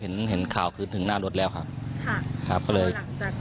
อุ้มออกมาจากรถ